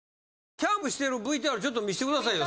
キャンプしてるＶＴＲちょっと見せて下さいよ。